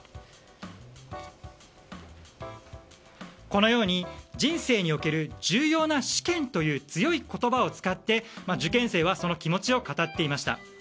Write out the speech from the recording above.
このように人生における重要な試験という強い言葉を使って、受験生はその気持ちを語っていました。